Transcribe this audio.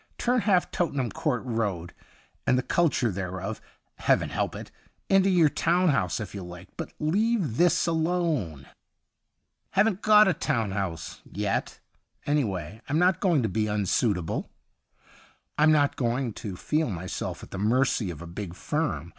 Turn half Tottenham Court Road and the culture thereof — Heaven help it !— into your town house if you like, but leave this alone.' ' Haven't got a town house — yet. Anyway I'm not going to be unsuit able ; I'm not going to feel myself at the mercy of a big firm.